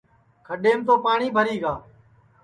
کھڈؔیم تو پاٹؔی بھری گا